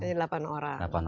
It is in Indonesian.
jadi delapan orang